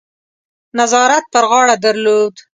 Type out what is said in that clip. نظارت پر غاړه درلود.